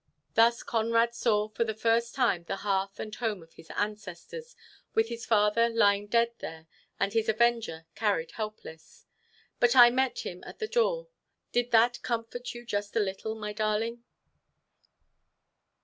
Thus Conrad saw for the first time the hearth and home of his ancestors, with his father lying dead there, and his avenger carried helpless. But I met him at the door. Did that comfort you just a little, my darling?